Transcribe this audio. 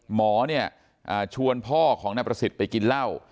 หมอเนี่ยชวนพ่อของนายประสิทธิ์ไปกินเหล้า